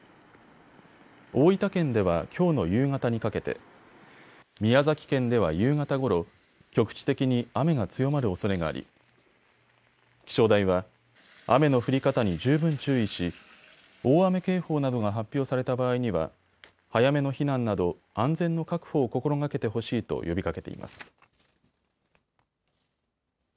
大分県ではきょうの夕方にかけて、宮崎県では夕方ごろ、局地的に雨が強まるおそれがあり気象台は雨の降り方に十分注意し大雨警報などが発表された場合には早めの避難など安全の確保を心がけてほしいと呼びかけています。